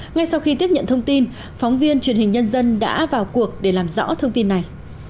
ngay sau khi tiếp nhận thông tin phóng viên truyền hình nhân dân đã vào cuộc để làm rõ thông tin này